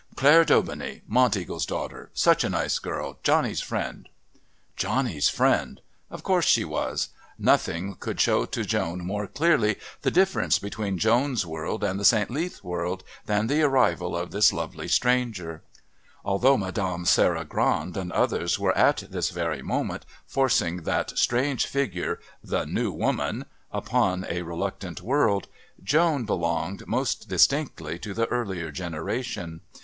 "Claire Daubeney Monteagle's daughter such, a nice girl Johnny's friend " Johnny's friend! Of course she was. Nothing could show to Joan more clearly the difference between Joan's world and the St. Leath world than the arrival of this lovely stranger. Although Mme. Sarah Grand and others were at this very moment forcing that strange figure, the New Woman, upon a reluctant world, Joan belonged most distinctly to the earlier generation.